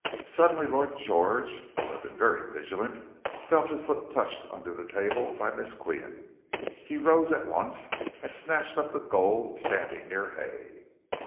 Suddenly Lord George, who had been very vigilant, felt his foot touched under the table by Miss Qian. He rose at once and snatched up the gold standing near Hay.